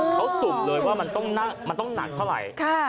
เขาสุ่มเลยว่ามันต้องหนักเท่าไหร่